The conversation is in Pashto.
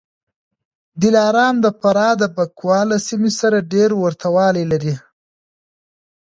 دلارام د فراه د بکواه له سیمې سره ډېر ورته والی لري